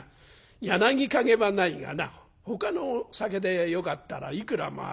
『柳陰』はないがなほかの酒でよかったらいくらもある。